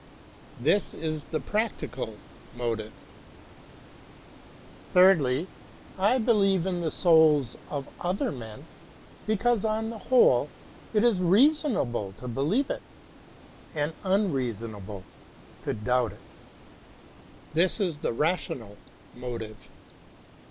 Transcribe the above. This is the Practical Motive. Thirdly, I believe in the souls of other men because on the whole it is reasonable to be lieve it and unreasonable to doubt it. This is the Rational Motive.